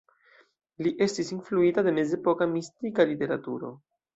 Li estis influita de mezepoka mistika literaturo.